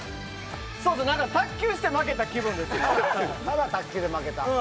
卓球して負けた気分ですね。